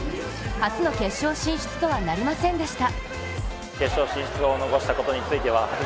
初の決勝進出とはなりませんでした。